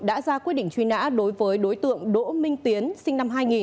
đã ra quyết định truy nã đối với đối tượng đỗ minh tiến sinh năm hai nghìn